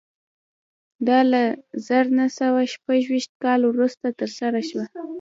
دا له زر نه سوه شپږ ویشت کال وروسته ترسره شوه